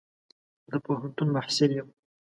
زه د پوهنتون محصل يم.